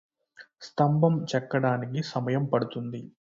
స్తంభం చెక్కడానికి సమయం పడుతుంది